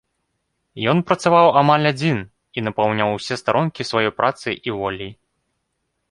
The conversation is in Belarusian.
Ён працаваў амаль адзін і напаўняў усе старонкі сваёй працай і воляй.